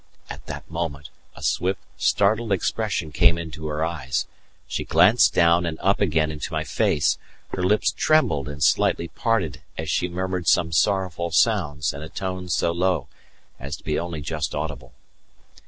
At that moment a swift, startled expression came into her eyes; she glanced down and up again into my face; her lips trembled and slightly parted as she murmured some sorrowful sounds in a tone so low as to be only just audible.